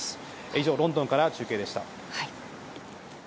以上、ロンドンから中継でした。